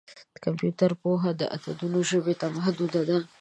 د کمپیوټر پوهه د عددونو ژبې ته محدوده ده.